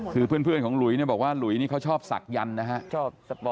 คือเพื่อนของหลุยเนี่ยบอกว่าหลุยนี่เขาชอบศักยันต์นะครับ